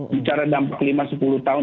bicara dampak lima sepuluh tahun